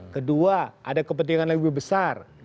kedua ada kepentingan yang lebih besar